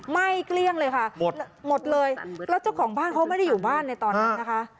ไหม้เกลี้ยงเลยค่ะหมดเลยแล้วเจ้าของบ้านเขาไม่ได้อยู่บ้านในตอนนั้นนะคะ